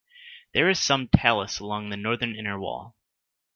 There is some talus along the northern inner wall.